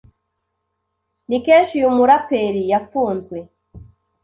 Ni kenshi uyu muraperi yafunzwe